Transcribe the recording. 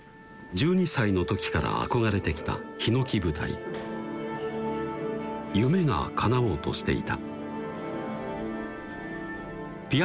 １２歳の時から憧れてきたひのき舞台夢が叶おうとしていた